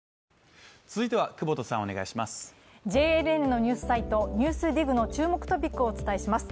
ＪＮＮのニュースサイト「ＮＥＷＳＤＩＧ」の注目トピックをお伝えします。